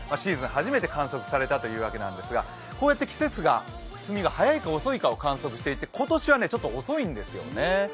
初めて観測されたというわけなんですがこうやって季節が進みが早いか遅いか観測していて今年はちょっと遅いんですよね。